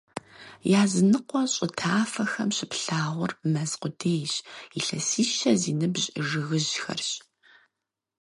Языныкъуэ щӀы тафэхэм щыплъагъур мэз къудейщ, илъэсищэ зи ныбжь жыгыжьхэрщ.